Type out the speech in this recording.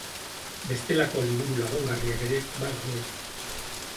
Bestelako liburu lagungarriak ere badaude.